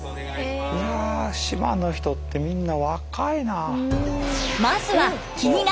いや島の人ってみんな若いな。